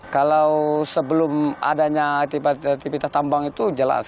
kalau sebelum adanya aktivitas tambang itu jelas